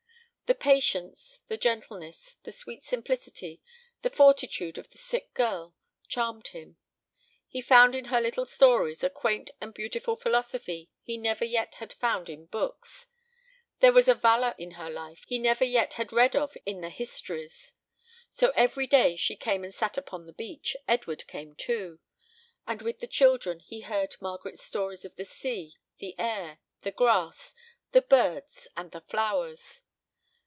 The patience, the gentleness, the sweet simplicity, the fortitude of the sick girl charmed him. He found in her little stories a quaint and beautiful philosophy he never yet had found in books; there was a valor in her life he never yet had read of in the histories. So, every day she came and sat upon the beach, Edward came too; and with the children he heard Margaret's stories of the sea, the air, the grass, the birds, and the flowers.